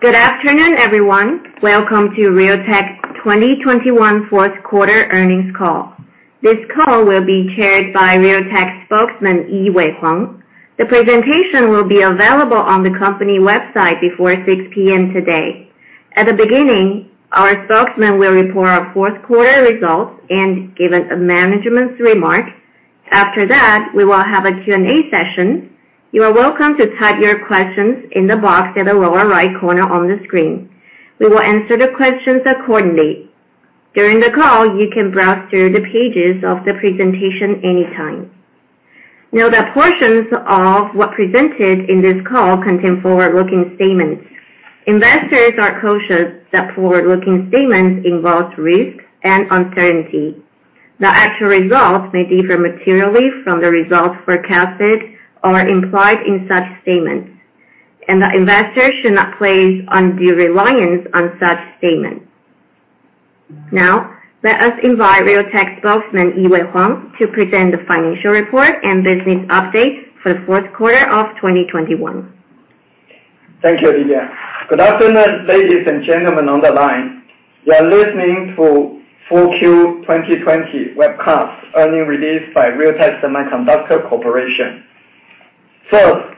Good afternoon, everyone. Welcome to Realtek's 2021 Fourth Quarter Earnings Call. This call will be chaired by Realtek Spokesman, Yee-Wei Huang. The presentation will be available on the company website before 6:00 P.M. today. At the beginning, our spokesman will report our fourth quarter results and give a management's remark. After that, we will have a Q&A session. You are welcome to type your questions in the box at the lower right corner on the screen. We will answer the questions accordingly. During the call, you can browse through the pages of the presentation anytime. Note that portions of what presented in this call contain forward-looking statements. Investors are cautious that forward-looking statements involve risk and uncertainty. The actual results may differ materially from the results forecasted or implied in such statements, and that investors should not place undue reliance on such statements. Now, let us invite Realtek Spokesman, Yee-Wei Huang, to present the financial report and business update for the fourth quarter of 2021. Thank you, Lilia. Good afternoon, ladies and gentlemen on the line. You are listening to 4Q 2020 webcast earnings release by Realtek Semiconductor Corporation. First,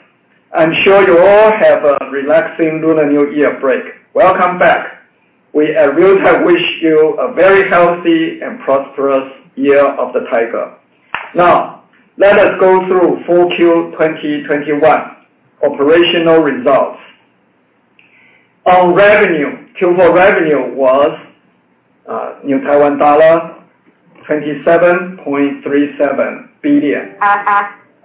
I'm sure you all have a relaxing Lunar New Year break. Welcome back. We at Realtek wish you a very healthy and prosperous year of the tiger. Now, let us go through 4Q 2021 operational results. On revenue, Q4 revenue was Taiwan dollar 27.37 billion.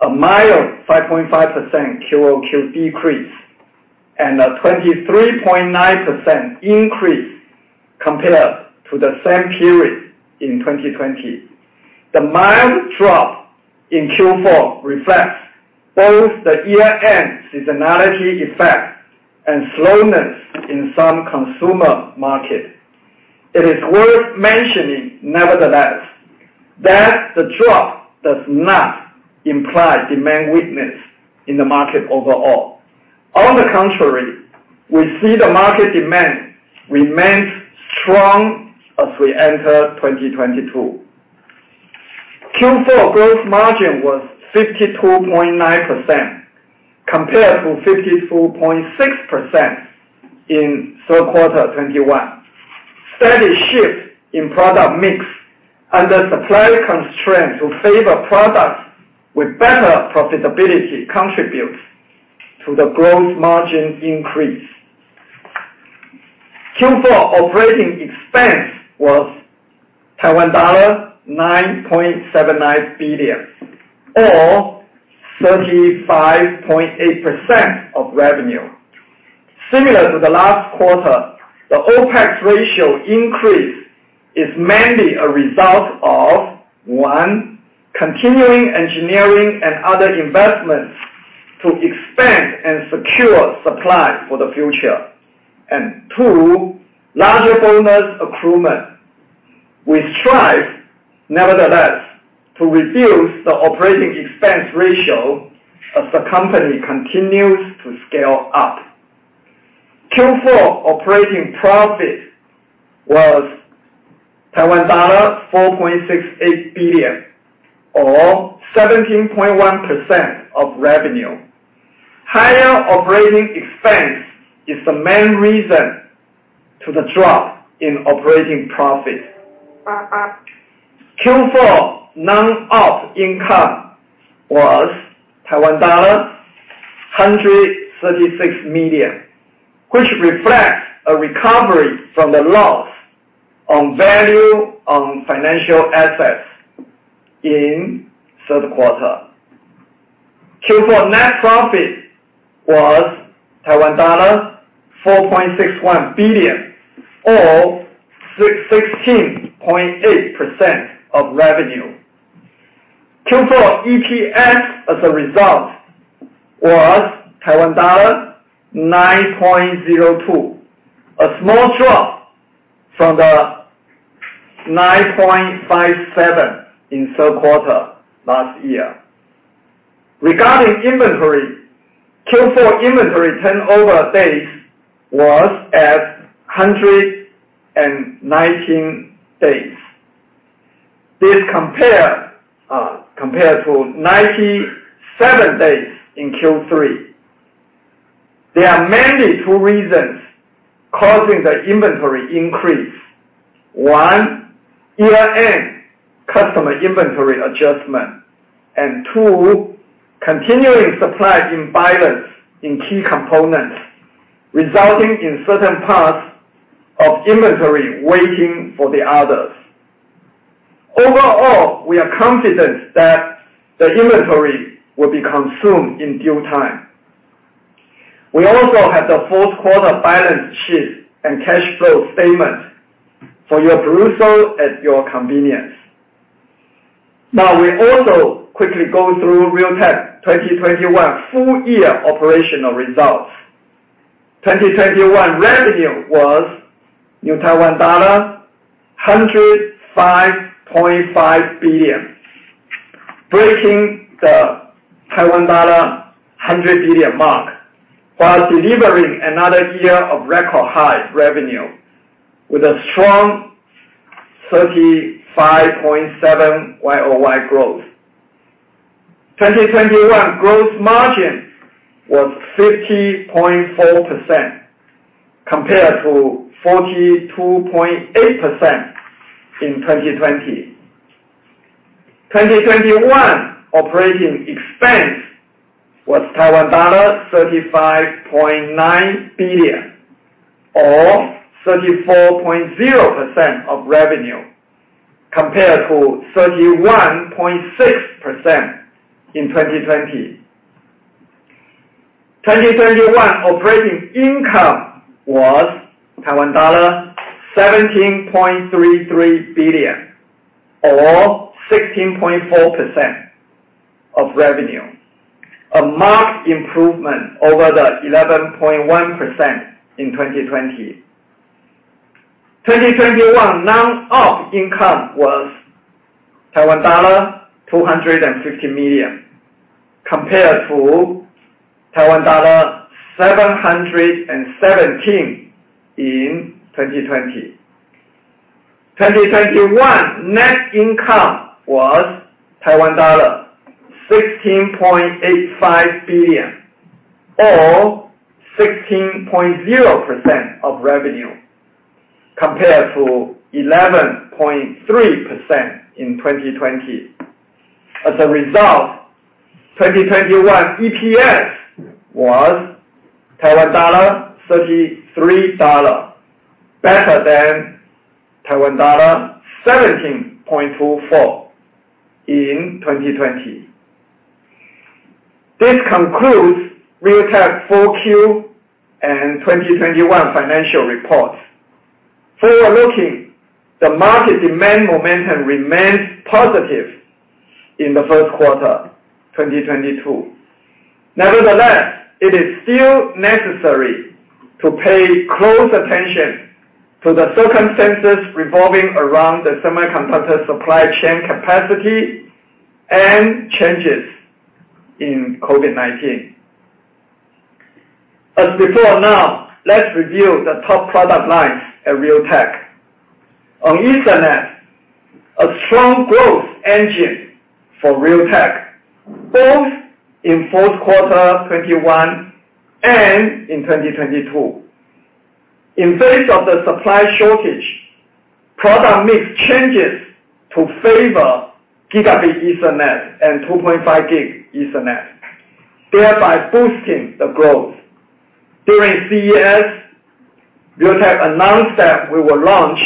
A mild 5.5% quarter-over-quarter decrease, and a 23.9% increase compared to the same period in 2020. The mild drop in Q4 reflects both the year-end seasonality effect, and slowness in some consumer market. It is worth mentioning, nevertheless, that the drop does not imply demand weakness in the market overall. On the contrary, we see the market demand remains strong as we enter 2022. Q4 gross margin was 52.9% compared to 52.6% in third quarter 2021. Steady shift in product mix under supply constraints, to favor products with better profitability contributes to the gross margin increase. Q4 operating expense was TWD 9.79 billion, or 35.8% of revenue. Similar to the last quarter, the OpEx ratio increase is mainly a result of, one, continuing engineering and other investments to expand and secure supply for the future. Two, larger bonus accrual. We strive, nevertheless, to reduce the operating expense ratio as the company continues to scale up. Q4 operating profit was TWD 4.68 billion, or 17.1% of revenue. Higher operating expense is the main reason for the drop in operating profit. Q4 non-op income was Taiwan dollar 136 million, which reflects a recovery from the loss on value on financial assets in third quarter. Q4 net profit was TWD 4.61 billion, or 16.8% of revenue. Q4 EPS as a result was Taiwan dollar 9.02, a small drop from the 9.57 in third quarter last year. Regarding inventory, Q4 inventory turnover days was at 119 days. This compared to 97 days in Q3. There are mainly two reasons causing the inventory increase. One, year-end customer inventory adjustment. Two, continuing supply imbalance in key components, resulting in certain parts of inventory waiting for the others. Overall, we are confident that the inventory will be consumed in due time. We also have the fourth quarter balance sheet and cash flow statement for your perusal at your convenience. Now, we also quickly go through Realtek 2021 full-year operational results. 2021 revenue was Taiwan dollar 105.5 billion. Breaking the Taiwan dollar 100 billion mark, while delivering another year of record high revenue with a strong 35.7% year-over-year growth. 2021 gross margin was 50.4%, compared to 42.8% in 2020. 2021 operating expense was Taiwan dollar 35.9 billion, or 34.0% of revenue compared to 31.6% in 2020. 2021 operating income was Taiwan dollar 17.33 billion, or 16.4% of revenue. A marked improvement over the 11.1% in 2020. 2021 non-op income was Taiwan dollar 250 million compared to Taiwan dollar 717 million in 2020. 2021 net income was TWD 16.85 billion, or 16.0% of revenue compared to 11.3% in 2020. As a result, 2021 EPS was 33 dollar, better than Taiwan dollar 17.24 in 2020. This concludes Realtek 4Q and 2021 financial report. Forward-looking, the market demand momentum remains positive in the first quarter 2022. Nevertheless, it is still necessary to pay close attention to the circumstances revolving around the semiconductor supply chain capacity and changes in COVID-19. As before now, let's review the top product lines at Realtek. On Ethernet, a strong growth engine for Realtek, both in fourth quarter 2021 and in 2022. In the face of the supply shortage, product mix changes to favor gigabit Ethernet and 2.5 Gb Ethernet, thereby boosting the growth. During CES, Realtek announced that we will launch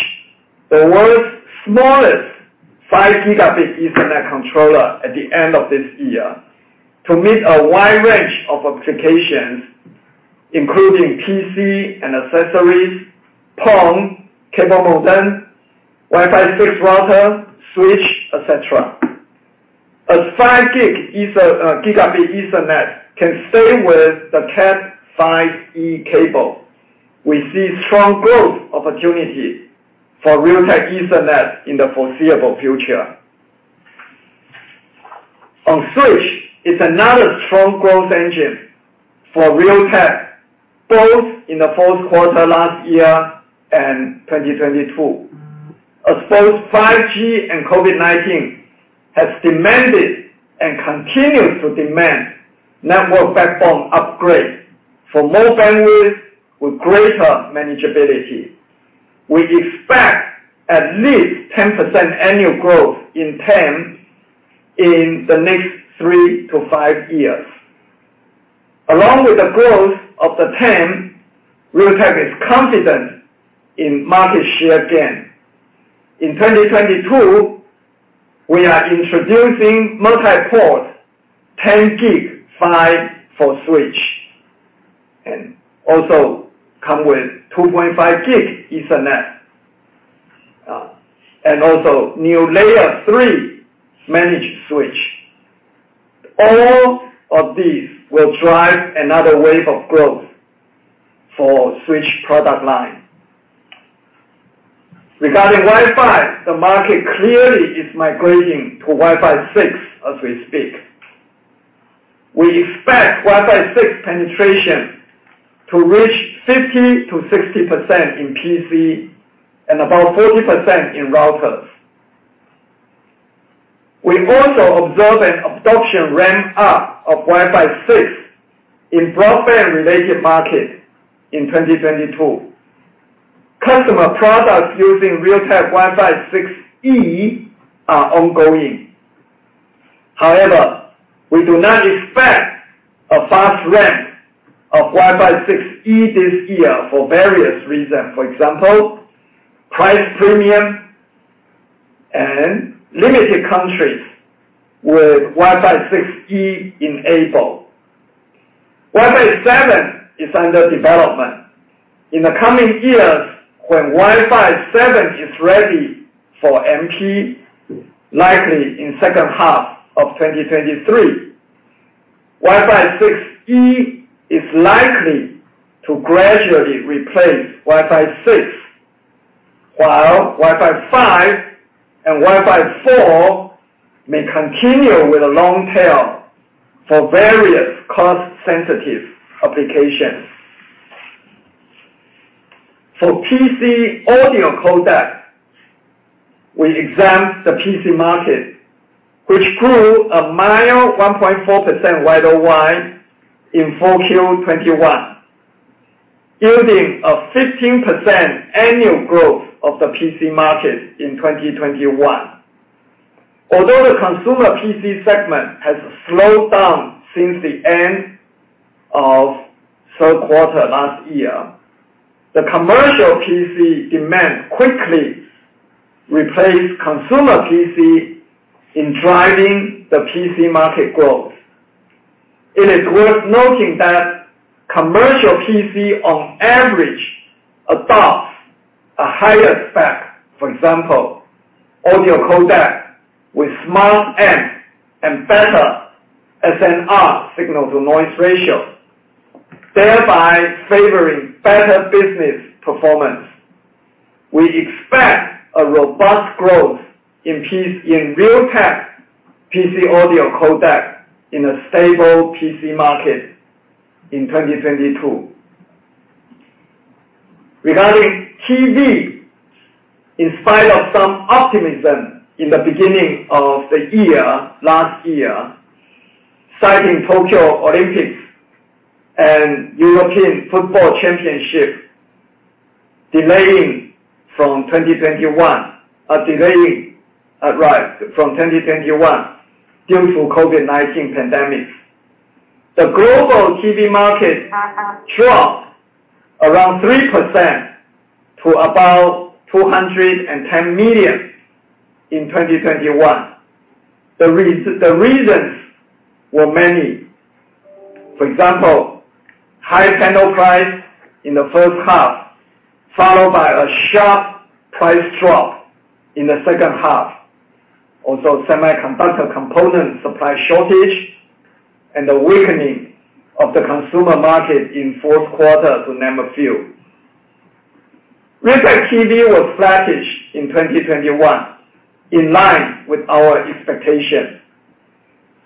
the world's smallest 5 Gb Ethernet controller at the end of this year to meet a wide range of applications, including PC and accessories, PON, cable modem, Wi-Fi 6 router, switch, et cetera. As 5 Gb Ethernet can stay with the Cat 5e cable, we see strong growth opportunity for Realtek Ethernet in the foreseeable future. On switch, it's another strong growth engine for Realtek both in the fourth quarter last year and 2022. As both 5G and COVID-19 has demanded and continues to demand network backbone upgrade for more families with greater manageability. We expect at least 10% annual growth in 10G in the next three to five years. Along with the growth of the 10G, Realtek is confident in market share gain. In 2022, we are introducing multi-port 10G PHY for switch, and also come with 2.5 Gb Ethernet. New Layer 3 managed switch. All of these will drive another wave of growth for switch product line. Regarding Wi-Fi, the market clearly is migrating to Wi-Fi 6 as we speak. We expect Wi-Fi 6 penetration to reach 50%-60% in PC and about 40% in routers. We also observe an adoption ramp up of Wi-Fi 6 in broadband related market in 2022. Customer products using Realtek Wi-Fi 6E are ongoing. However, we do not expect a fast ramp of Wi-Fi 6E this year for various reasons. For example, price premium and limited countries with Wi-Fi 6E enabled. Wi-Fi 7 is under development. In the coming years, when Wi-Fi 7 is ready for MP, likely in second-half of 2023, Wi-Fi 6E is likely to gradually replace Wi-Fi 6. Wi-Fi 5 and Wi-Fi 4, may continue with a long tail for various cost-sensitive applications. For PC audio codec, we expect the PC market, which grew a mild 1.4% year-over-year in 1Q 2021, yielding a 15% annual growth of the PC market in 2021. Although the consumer PC segment has slowed down since the end of third quarter last year, the commercial PC demand quickly replaced consumer PC in driving the PC market growth. It is worth noting that commercial PC on average adopts a higher spec. For example, audio codec with Smart Amp and better SNR, signal-to-noise ratio, thereby favoring better business performance. We expect a robust growth in Realtek PC audio codec in a stable PC market in 2022. Regarding TV, in spite of some optimism in the beginning of the year, last year citing Tokyo Olympics and European Football Championship delaying from 2021 due to COVID-19 pandemic. The global TV market dropped around 3% to about 210 million in 2021. The reasons were many. For example, high panel price in the first half, followed by a sharp price drop in the second-half. Also semiconductor component supply shortage and the weakening of the consumer market in fourth quarter, to name a few. Realtek TV was flattish in 2021, in line with our expectation.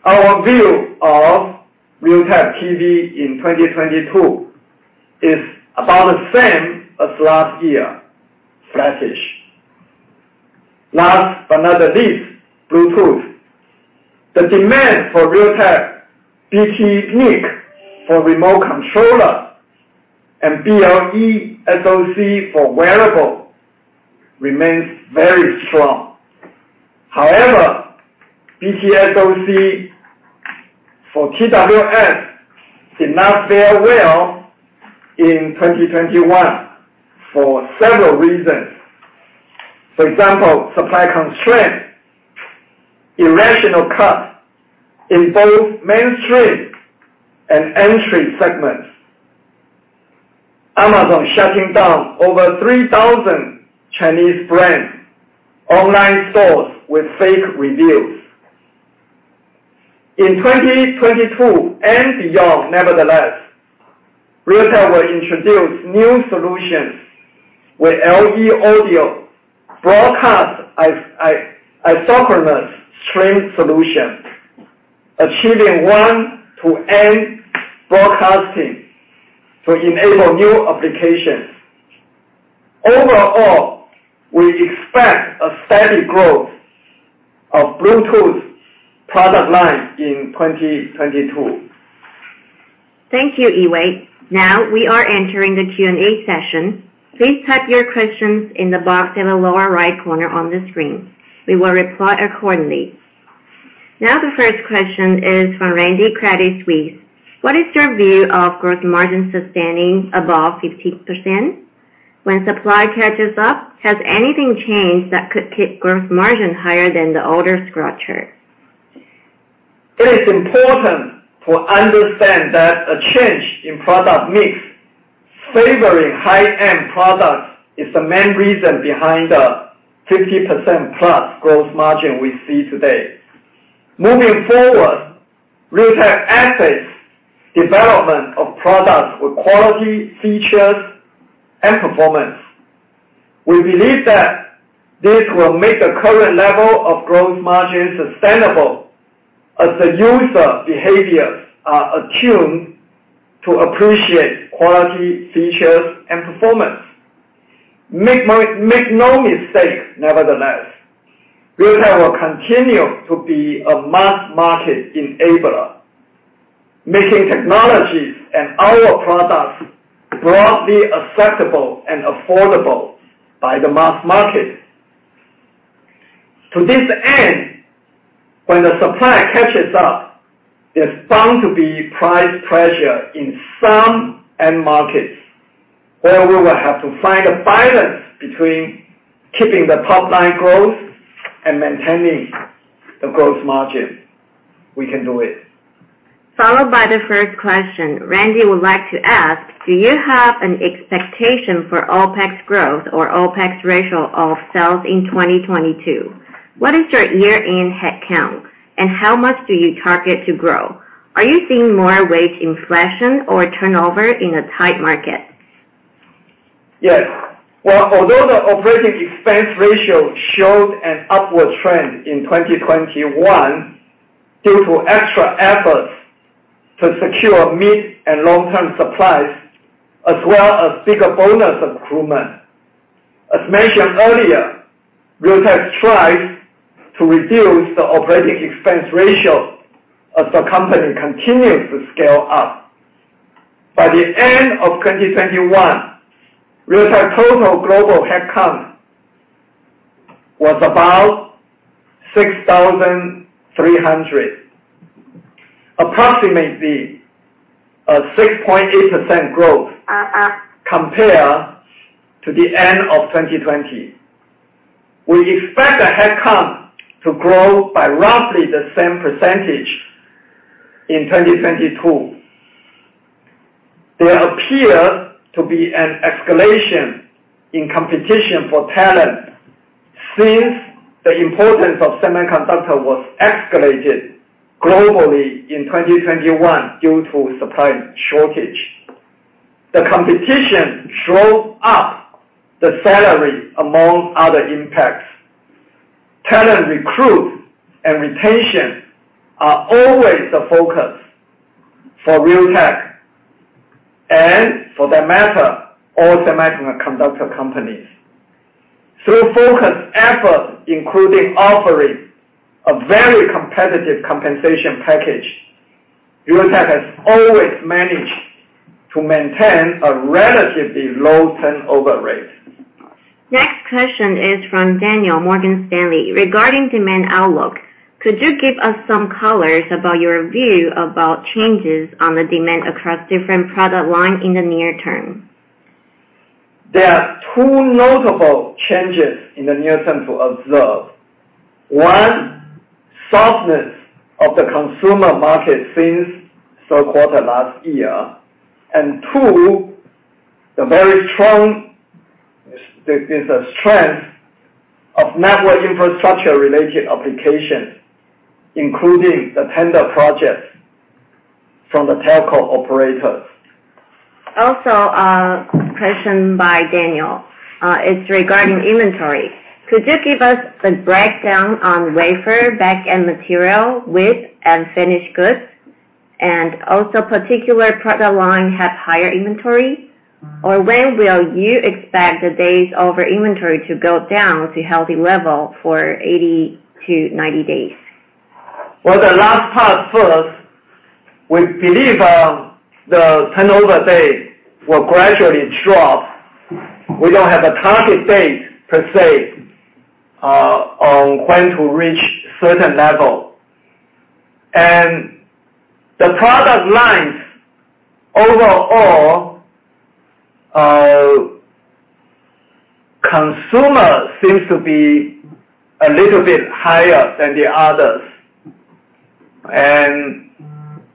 Our view of Realtek TV in 2022 is about the same as last year, flattish. Last but not the least, Bluetooth. The demand for Realtek BT NIC for remote controller and BLE SoC for wearable remains very strong. However, BT SoC for TWS did not fare well in 2021 for several reasons. For example, supply constraint, irrational cut in both mainstream and entry segments. Amazon shutting down over 3,000 Chinese brands, online stores with fake reviews. In 2022 and beyond, nevertheless, Realtek will introduce new solutions with LE Audio Broadcast Isochronous Stream Solution, achieving one-to-N broadcasting to enable new applications. Overall, we expect a steady growth of Bluetooth product line in 2022. Thank you, Yee-Wei. Now we are entering the Q&A session. Please type your questions in the box in the lower right corner on the screen. We will reply accordingly. Now the first question is from Randy, Credit Suisse. What is your view of gross margin sustaining above 50% when supply catches up? Has anything changed that could keep gross margin higher than the older structure? It is important to understand that a change in product mix favoring high-end products is the main reason behind the 50%+ gross margin we see today. Moving forward, Realtek accentuates development of products with quality, features, and performance. We believe that this will make the current level of gross margin sustainable as the user behaviors are attuned to appreciate quality, features, and performance. Make no mistake, nevertheless, Realtek will continue to be a mass market enabler, making technologies and our products broadly acceptable and affordable by the mass market. To this end, when the supply catches up, there's bound to be price pressure in some end markets where we will have to find a balance between keeping the top line growth and maintaining the gross margin. We can do it. Followed by the first question, Randy would like to ask, do you have an expectation for OpEx growth or OpEx ratio of sales in 2022? What is your year-end headcount, and how much do you target to grow? Are you seeing more wage inflation or turnover in a tight market? Yes. Well, although the operating expense ratio showed an upward trend in 2021 due to extra efforts to secure mid and long-term supplies, as well as bigger bonus accrual. As mentioned earlier, Realtek strives to reduce the operating expense ratio as the company continues to scale up. By the end of 2021, Realtek total global headcount was about 6,300, approximately a 6.8% growth compared to the end of 2020. We expect the headcount to grow by roughly the same percentage in 2022. There appear to be an escalation in competition for talent since the importance of semiconductor was escalated globally in 2021 due to supply shortage. The competition drove up the salary among other impacts. Talent recruit and retention are always a focus for Realtek, and for that matter, all semiconductor companies. Through focused efforts, including offering a very competitive compensation package, Realtek has always managed to maintain a relatively low turnover rate. Next question is from Daniel, Morgan Stanley. Regarding demand outlook, could you give us some colors about your view about changes on the demand across different product line in the near term? There are two notable changes in the near term to observe. One, softness of the consumer market since third quarter last year. Two, the very strong this strength of network infrastructure-related applications, including the tender projects from the telco operators. Also, question by Daniel is regarding inventory. Could you give us the breakdown on wafer, back-end material, WIP and finished goods? Particular product line have higher inventory? Or when will you expect the days over inventory to go down to healthy level for 80-90 days? Well, the last part first, we believe the turnover date will gradually drop. We don't have a target date per se on when to reach certain level. The product lines overall, consumer seems to be a little bit higher than the others.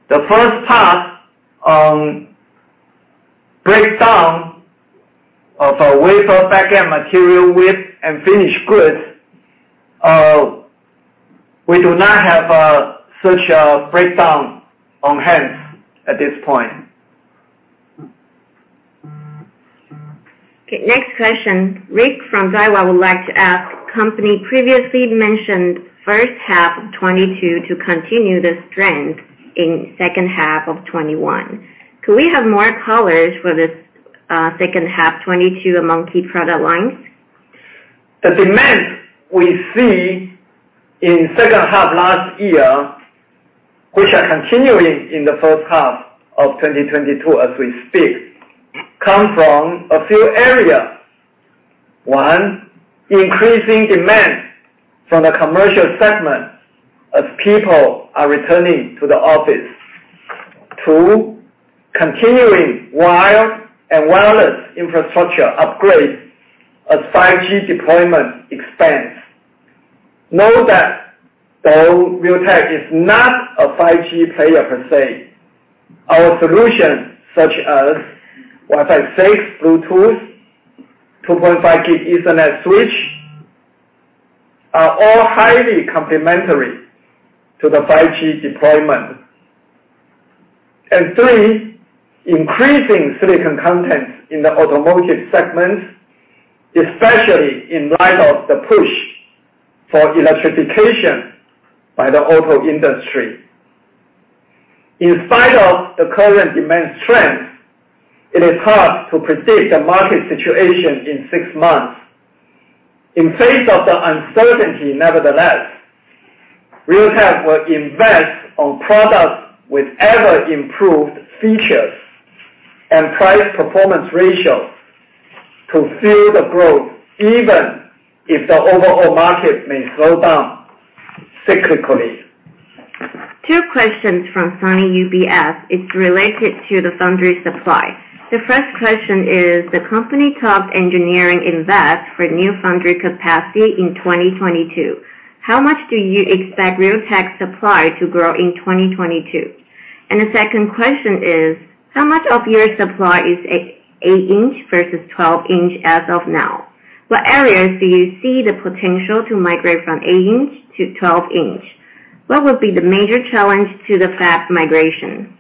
The first part on breakdown of our wafer, back-end material, with and finis ed goods, we do not have such a breakdown on hand at this point. Okay. Next question. Rick from Daiwa would like to ask, company previously mentioned first-half 2022 to continue the strength in second-half of 2021. Could we have more color for this second-half 2022 among key product lines? The demand we see in second-half last year, which are continuing in the first-half of 2022 as we speak, come from a few areas. One, increasing demand from the commercial segment as people are returning to the office. Two, continuing wired and wireless infrastructure upgrades as 5G deployment expands. Note that though Realtek is not a 5G player per se, our solutions such as Wi-Fi 6, Bluetooth, 2.5 Gb Ethernet switch, are all highly complementary to the 5G deployment. Three, increasing silicon content in the automotive segment, especially in light of the push for electrification by the auto industry. In spite of the current demand strength, it is hard to predict the market situation in six months. In the face of the uncertainty, nevertheless, Realtek will invest on products with ever-improved features and price-performance ratio to fuel the growth, even if the overall market may slow down cyclically. Two questions from Sunny Lin, UBS. It's related to the foundry supply. The first question is, the company talked engineering invest for new foundry capacity in 2022. How much do you expect Realtek supply to grow in 2022? The second question is, how much of your supply is 8 in versus 12 in as of now? What areas do you see the potential to migrate from 8 in-12 in? What would be the major challenge to the fab migration?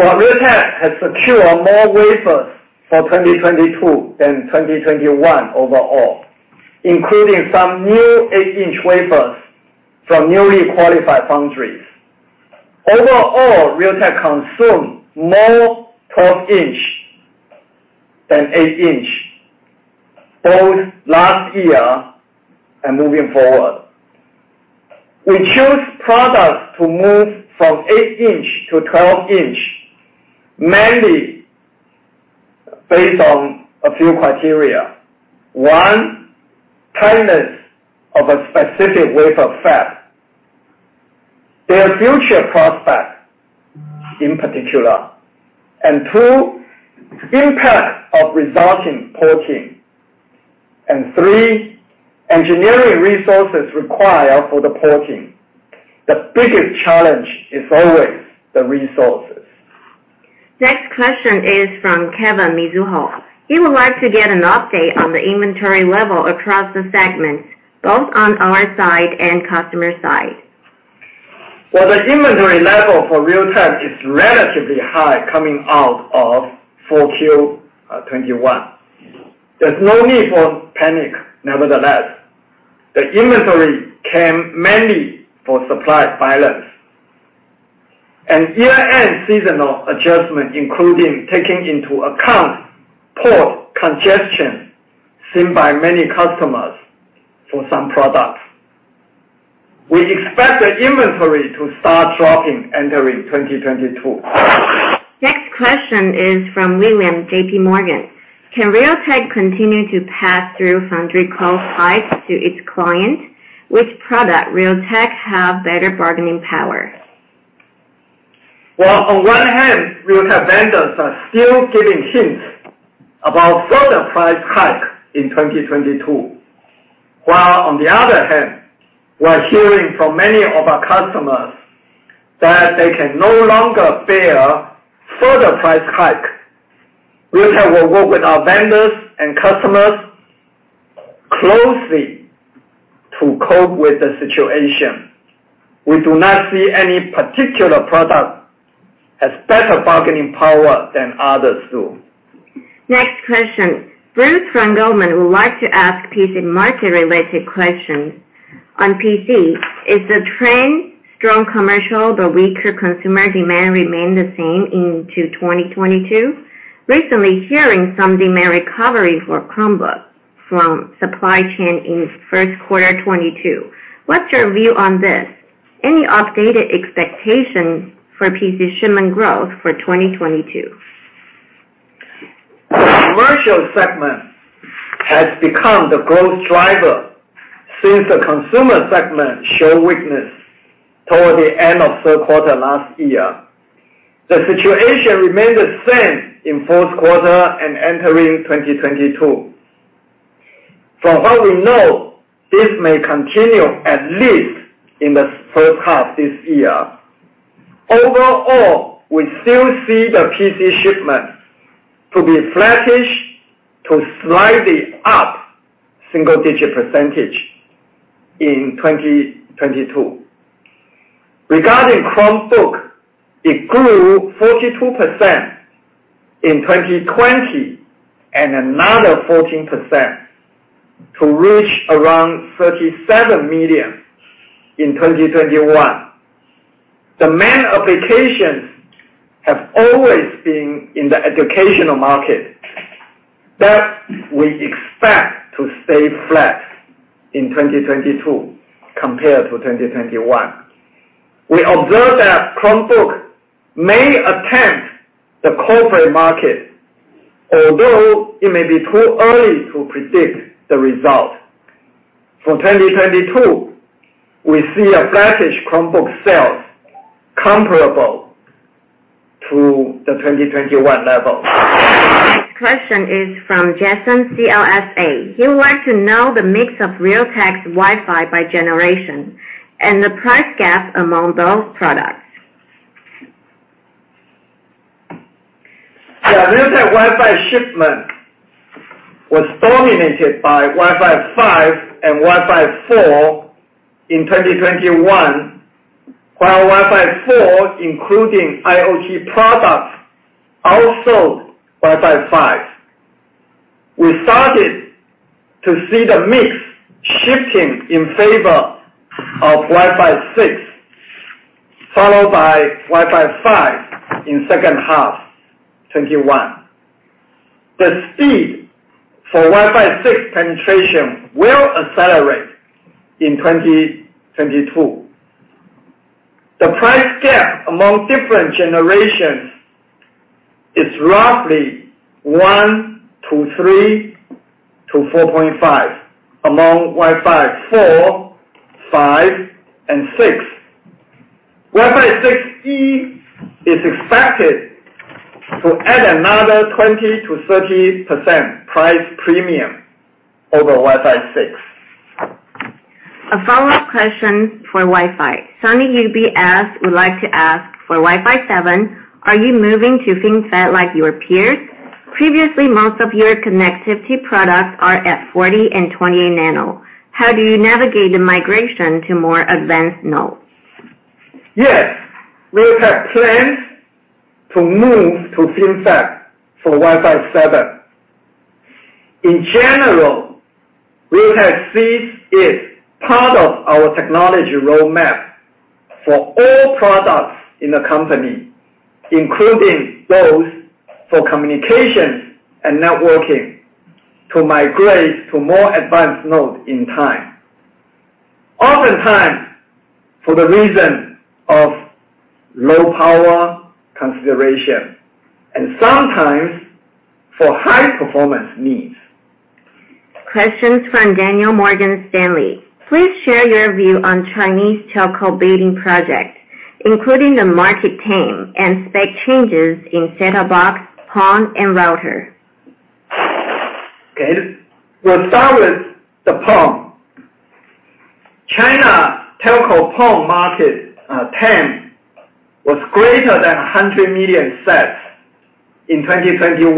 Well, Realtek has secured more wafers for 2022 than 2021 overall, including some new 8 in wafers from newly qualified foundries. Overall, Realtek consume more 12 in than 8 in, both last year and moving forward. We choose products to move from 8 in-12 in mainly based on a few criteria. One, timeliness of a specific wafer fab. Their future prospects, in particular. Two, impact of resulting porting. Three, engineering resources required for the porting. The biggest challenge is always the resources. Next question is from Kevin, Mizuho. He would like to get an update on the inventory level across the segments, both on our side and customer side. Well, the inventory level for Realtek is relatively high coming out of Q4 2021. There's no need for panic, nevertheless. The inventory came mainly for supply balance, year-end seasonal adjustment, including taking into account port congestion seen by many customers for some products. We expect the inventory to start dropping entering 2022. Next question is from William, JPMorgan. Can Realtek continue to pass through foundry cost hikes to its client? Which product Realtek have better bargaining power? Well, on one hand, Realtek vendors are still giving hints about further price hike in 2022. While on the other hand, we're hearing from many of our customers that they can no longer bear further price hike. Realtek will work with our vendors and customers closely to cope with the situation. We do not see any particular product has better bargaining power than others do. Next question. Bruce from Goldman would like to ask a PC market-related question. On PC, is the trend strong commercial but weaker consumer demand remain the same into 2022? Recently hearing some demand recovery for Chromebook from supply chain in first quarter 2022. What's your view on this? Any updated expectation for PC shipment growth for 2022? Commercial segment has become the growth driver, since the consumer segment showed weakness toward the end of third quarter last year. The situation remained the same in fourth quarter and entering 2022. From what we know, this may continue at least in the first-half this year. Overall, we still see the PC shipments to be flattish to slightly up single-digit % in 2022. Regarding Chromebook, it grew 42% in 2020 and another 14% to reach around 37 million in 2021. The main applications have always been in the educational market. That, we expect to stay flat in 2022 compared to 2021. We observe that Chromebook may attempt the corporate market, although it may be too early to predict the result. For 2022, we see a flattish Chromebook sales comparable to the 2021 level. Next question is from Jason, CLSA. He would like to know the mix of Realtek's Wi-Fi by generation and the price gap among those products. Yeah. Realtek Wi-Fi shipment was dominated by Wi-Fi 5 and Wi-Fi 4 in 2021, while Wi-Fi 4, including IoT products, outsold Wi-Fi 5. We started to see the mix shifting in favor of Wi-Fi 6, followed by Wi-Fi 5 in second half 2021. The speed for Wi-Fi 6 penetration will accelerate in 2022. The price gap among different generations is roughly one to three to 4.5 among Wi-Fi 4, 5, and 6. Wi-Fi 6E is expected to add another 20%-30% price premium over Wi-Fi 6. A follow-up question for Wi-Fi. Sunny Lin, UBS would like to ask, for Wi-Fi 7, are you moving to FinFET like your peers? Previously, most of your connectivity products are at 40 nano and 20 nano. How do you navigate the migration to more advanced nodes? Yes. Realtek plans to move to FinFET for Wi-Fi 7. In general, Realtek sees it part of our technology roadmap for all products in the company, including those for communications and networking, to migrate to more advanced node in time. Oftentimes, for the reason of low power consideration and sometimes for high performance needs. Questions from Daniel, Morgan Stanley. Please share your view on Chinese telco bidding projects, including the market TAM and spec changes in set-top box, PON, and router. Okay. We'll start with the PON. China telco PON market TAM was greater than 100 million sets in 2021.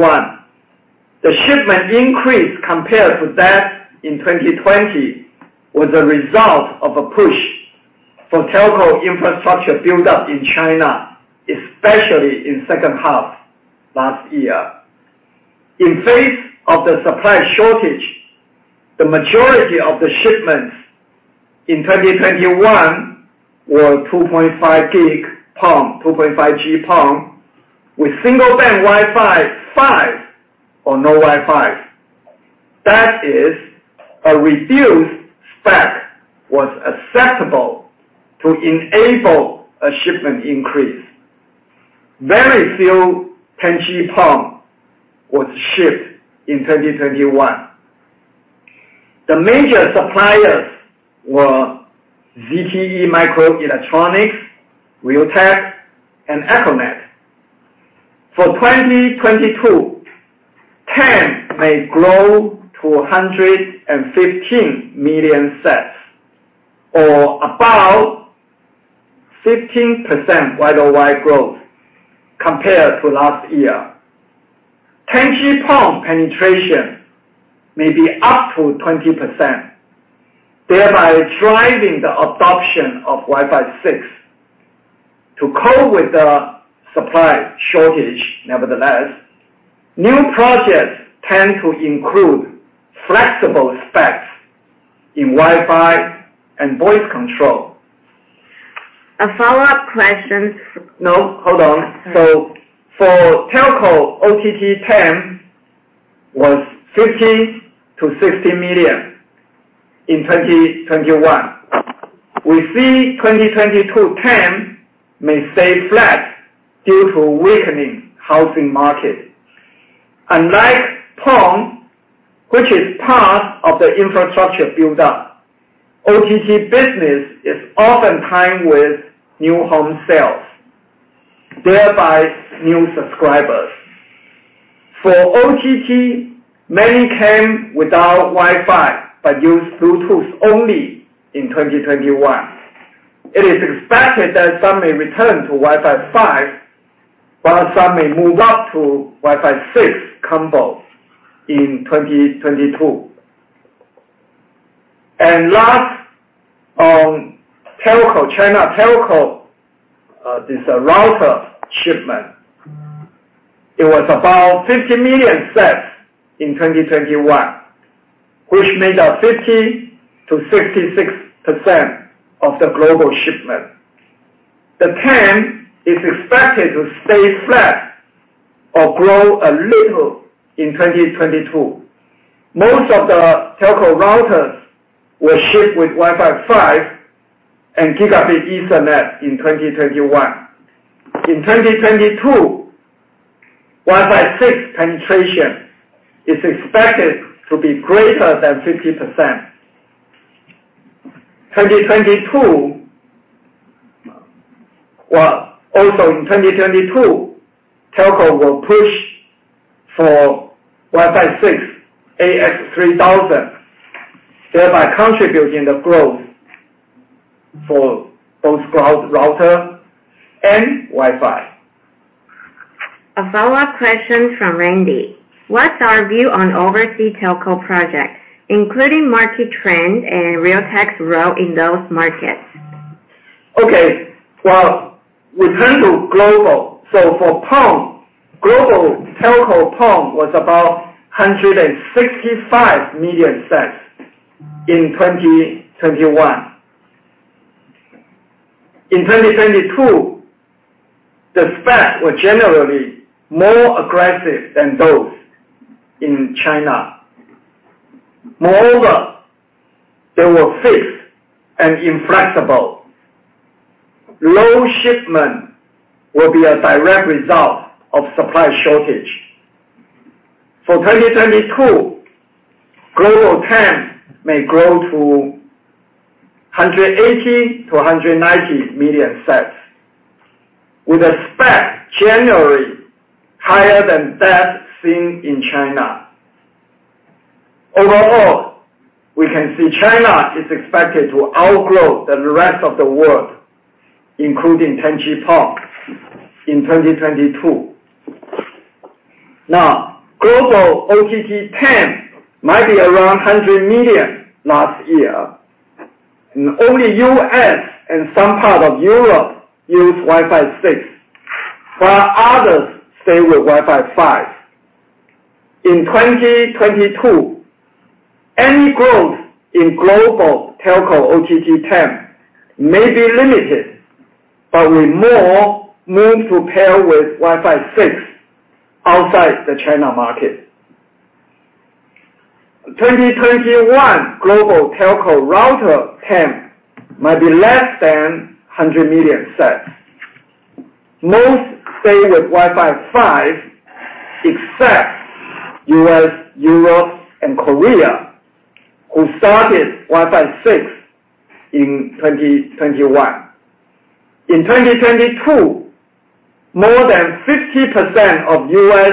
The shipment increase compared to that in 2020 was a result of a push for telco infrastructure build-up in China, especially in second half last-year. In the face of the supply shortage, the majority of the shipments in 2021 were 2.5G PON, 2.5G-PON, with single band Wi-Fi 5 or no Wi-Fi. That is, a reduced spec was acceptable to enable a shipment increase. Very few 10G-PON was shipped in 2021. The major suppliers were ZTE Microelectronics, Realtek, and Econet. For 2022, TAM may grow to 115 million sets or about 15% year-over-year growth compared to last year. 10G-PON penetration may be up to 20%, thereby driving the adoption of Wi-Fi 6. To cope with the supply shortage, nevertheless, new projects tend to include flexible specs in Wi-Fi and voice control. A follow-up question. No, hold on. For telco, OTT TAM was 15-16 million in 2021. We see 2022 TAM may stay flat due to weakening housing market. Unlike PON, which is part of the infrastructure build-up, OTT business is oftentimes with new home sales, thereby new subscribers. For OTT, many came without Wi-Fi, but used Bluetooth only in 2021. It is expected that some may return to Wi-Fi 5, while some may move up to Wi-Fi 6 combos in 2022. Last, on telco, China telco, this router shipment, it was about 50 million sets in 2021, which made up 50%-66% of the global shipment. The TAM is expected to stay flat or grow a little in 2022. Most of the telco routers were shipped with Wi-Fi 5 and Gigabit Ethernet in 2021. In 2022, Wi-Fi 6 penetration is expected to be greater than 50%. Well, also in 2022, telco will push for Wi-Fi 6 AX3000, thereby contributing to the growth for both cloud router and Wi-Fi. A follow-up question from Randy. What's our view on overseas telco projects, including market trend and Realtek's role in those markets? Okay. Well, we turn to global. For PON, global telco PON was about 165 million sets in 2021. In 2022, the specs were generally more aggressive than those in China. Moreover, they were fixed and inflexible. Low shipment will be a direct result of supply shortage. For 2022, global TAM may grow to 180-190 million sets, with a spec generally higher than that seen in China. Overall, we can see China is expected to outgrow the rest of the world, including 10G-PON, in 2022. Now, global OTT TAM might be around 100 million last year, and only U.S. and some part of Europe use Wi-Fi 6, while others stay with Wi-Fi 5. In 2022, any growth in global telco OTT TAM may be limited, but with more move to pair with Wi-Fi 6 outside the China market. 2021 global telco router TAM might be less than 100 million sets. Most stay with Wi-Fi 5, except U.S., Europe, and Korea, who started Wi-Fi 6 in 2021. In 2022, more than 50% of U.S.,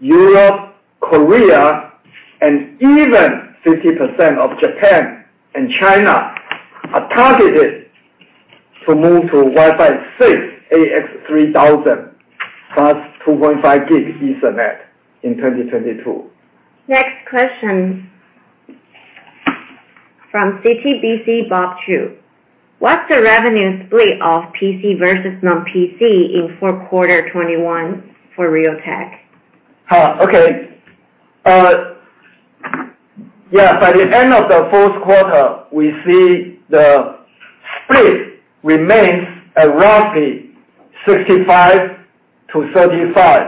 Europe, Korea, and even 50% of Japan and China are targeted to move to Wi-Fi 6 AX3000 plus 2.5 Gb Ethernet in 2022. Next question from CTBC, Bob Chu. What's the revenue split of PC versus non-PC in fourth quarter 2021 for Realtek? By the end of the fourth quarter, we see the split remains around 65%-35%.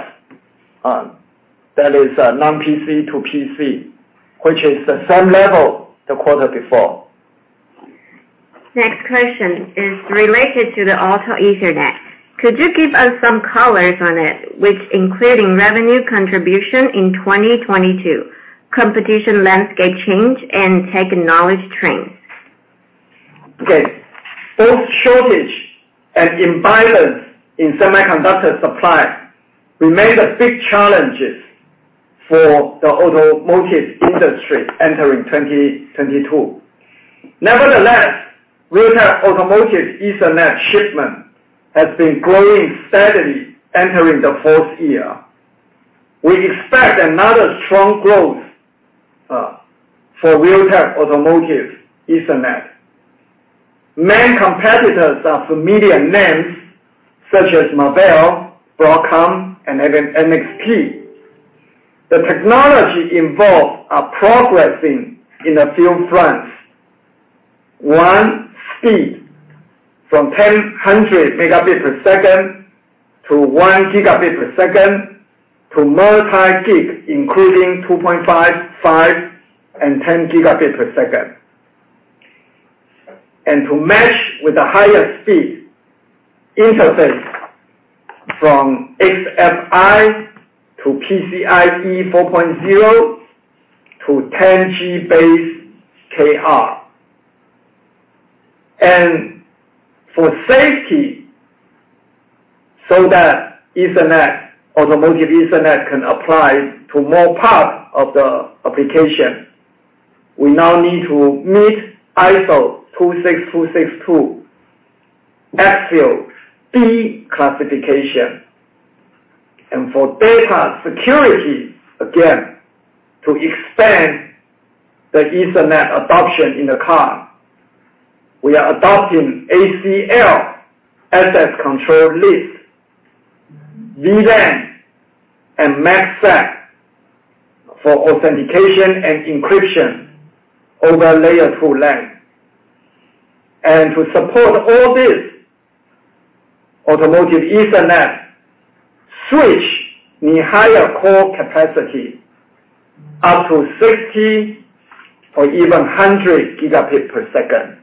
That is, non-PC to PC, which is the same level the quarter before. Next question is related to the auto Ethernet. Could you give us some colors on it, which including revenue contribution in 2022, competition landscape change, and technology trends? Okay. Both shortage and imbalance in semiconductor supply remain the big challenges for the automotive industry entering 2022. Nevertheless, Realtek automotive Ethernet shipment has been growing steadily entering the fourth year. We expect another strong growth for Realtek Automotive Ethernet. Main competitors are familiar names, such as Marvell, Broadcom, and even NXP. The technology involved are progressing in a few fronts. One, speed from 10/100 Mbps to 1 Gbps, to multi-gig, including 2.5 and 10 Gbps. To match with the highest speed interface from XFI to PCIe 4.0 to 10GBASE-KR. For safety, so that Ethernet, automotive Ethernet can apply to more part of the application, we now need to meet ISO 26262 ASIL B classification. For data security, again, to expand the Ethernet adoption in the car, we are adopting ACL (Access Control List), VLAN, and MACsec for authentication and encryption over Layer 2 LAN. To support all this automotive Ethernet switch need higher core capacity, up to 60 or even 100 Gbps.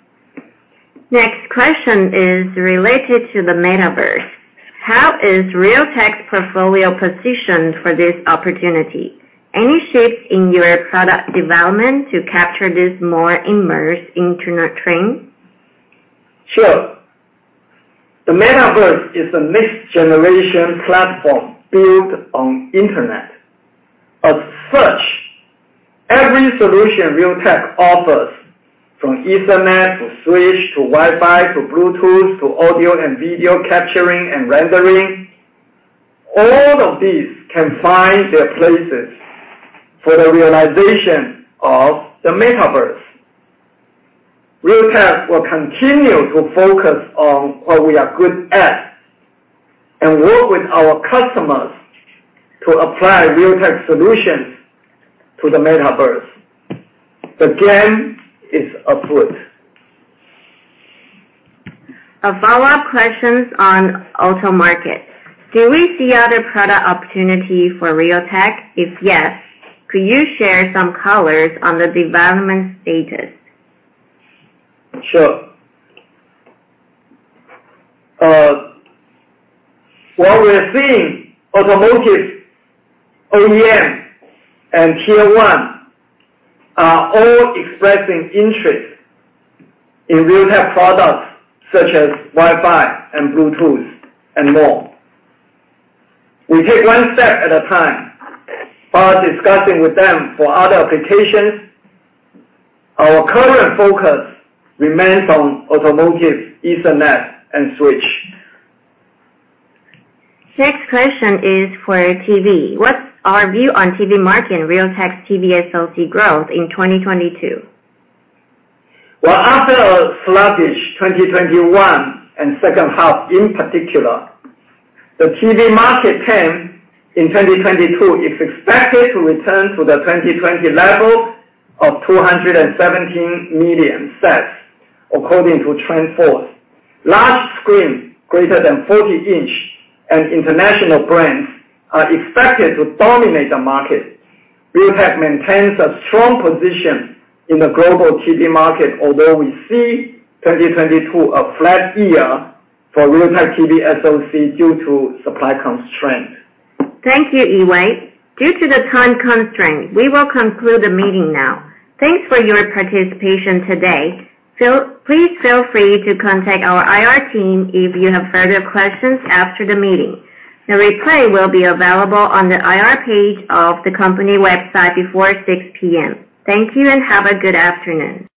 Next question is related to the metaverse. How is Realtek's portfolio positioned for this opportunity? Any shifts in your product development to capture this more immersive internet trend? Sure. The metaverse is the next generation platform built on internet. As such, every solution Realtek offers, from Ethernet to switch to Wi-Fi to Bluetooth to audio and video capturing and rendering, all of these can find their places for the realization of the metaverse. Realtek will continue to focus on what we are good at and work with our customers to apply Realtek solutions to the metaverse. The game is afoot. A follow-up question on auto market. Do we see other product opportunity for Realtek? If yes, could you share some colors on the development status? Sure. While we're seeing automotive OEM and tier one are all expressing interest in Realtek products such as Wi-Fi and Bluetooth and more. We take one step at a time while discussing with them for other applications. Our current focus remains on automotive Ethernet and switch. Next question is for TV. What's our view on TV market and Realtek's TV SoC growth in 2022? Well, after a sluggish 2021 and second-half in particular, the TV market TAM in 2022 is expected to return to the 2020 level of 217 million sets according to TrendForce. Large screen greater than 40 in and international brands are expected to dominate the market. Realtek maintains a strong position in the global TV market, although we see 2022 a flat year for Realtek TV SoC due to supply constraints. Thank you, Yee-Wei. Due to the time constraint, we will conclude the meeting now. Thanks for your participation today. Please feel free to contact our IR team if you have further questions after the meeting. The replay will be available on the IR page of the company website before 6:00 P.M. Thank you and have a good afternoon.